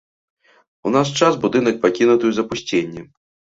У наш час будынак пакінуты ў запусценні.